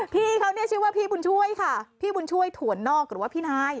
พี่เขาเนี่ยชื่อว่าพี่บุญช่วยค่ะพี่บุญช่วยถวนนอกหรือว่าพี่นาย